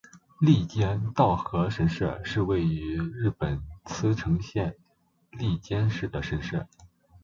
笠间稻荷神社是位于日本茨城县笠间市的神社。